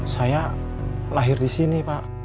saya lahir disini pak